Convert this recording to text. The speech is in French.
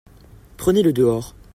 Prenez-le dehors.